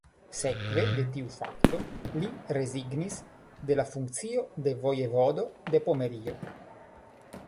Sekve de tiu fakto li rezignis de la funkcio de Vojevodo de Pomerio.